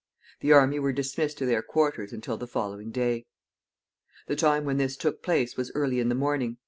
The army were dismissed to their quarters until the following day. The time when this took place was early in the morning.